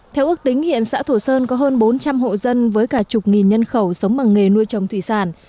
theo ước tính hiện xã thổ sơn có hơn bốn trăm linh hộ dân với cả chục nghìn nhân khẩu sống bằng nghề nuôi trồng thủy sản